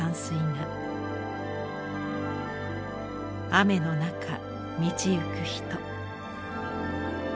雨の中道行く人。